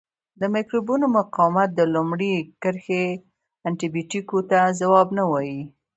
د مکروبونو مقاومت د لومړۍ کرښې انټي بیوټیکو ته ځواب نه وایي.